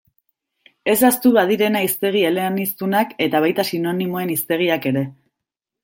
Ez ahaztu badirena hiztegi eleaniztunak eta baita sinonimoen hiztegiak ere.